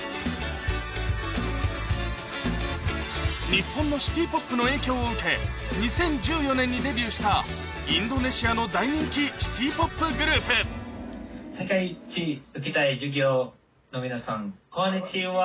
日本のシティポップの影響を受け２０１４年にデビューしたインドネシアの大人気シティポップグループこんにちは！